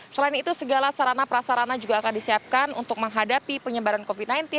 selain itu segala sarana prasarana juga akan disiapkan untuk menghadapi penyebaran covid sembilan belas